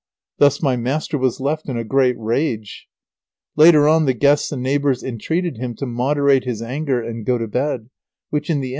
Thus my master was left in a great rage. Later on the guests and neighbours entreated him to moderate his anger and go to bed, which in the end we all did.